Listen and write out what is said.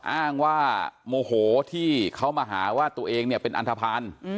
อ้างว่าโมโหที่เขามาหาว่าตัวเองเนี่ยเป็นอันทภัณฑ์